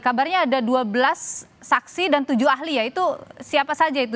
kabarnya ada dua belas saksi dan tujuh ahli yaitu siapa saja itu